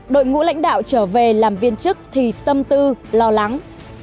đội ngũ lãnh đạo trở về làm viên chức thì tâm tư lo lắng